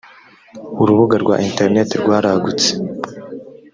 urubuga rwa interineti rwaragutse.